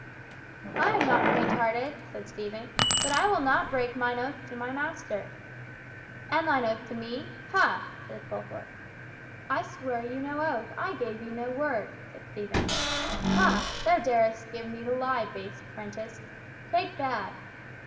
"I am not faint hearted," said Stephen; "but I will not break mine oath to my master." "And thine oath to me? Ha!" said Fulford. "I sware you no oath, I gave you no word," said Stephen. "Ha! Thou darest give me the lie, base prentice. Take that!"